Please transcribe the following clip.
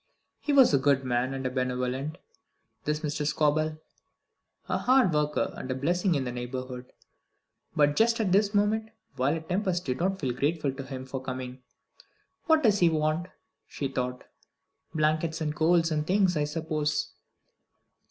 He was a good man and a benevolent, this Mr. Scobel; a hard worker, and a blessing in the neighbourhood. But just at this moment Violet Tempest did not feel grateful to him for coming. "What does he want?" she thought. "Blankets and coals and things, I suppose."